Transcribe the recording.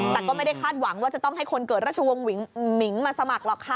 แต่ก็ไม่ได้คาดหวังว่าจะต้องให้คนเกิดราชวงศ์หมิงมาสมัครหรอกค่ะ